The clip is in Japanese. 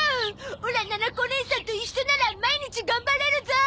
オラななこおねいさんと一緒なら毎日頑張れるゾ！